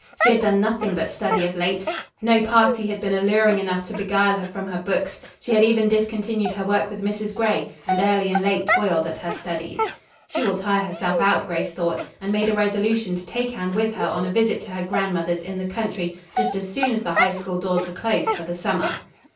She had done nothing but study of late. No party had been alluring enough to beguile her from her books. She had even discontinued her work with Mrs. Gray, and early and late toiled at her studies. "She will tire herself out," Grace thought, and made a resolution to take Anne with her on a visit to her grandmother's in the country just as soon as the High School doors were closed for the summer.